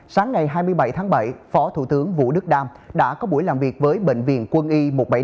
sáng ngày hai mươi bảy tháng bảy phó thủ tướng vũ đức đam đã có buổi làm việc với bệnh viện quân y một trăm bảy mươi năm